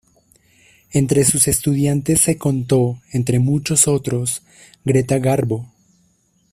Entre sus estudiantes se contó, entre muchos otros, Greta Garbo.